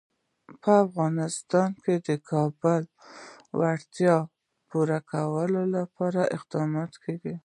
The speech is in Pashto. په افغانستان کې د کابل د اړتیاوو پوره کولو لپاره اقدامات کېږي.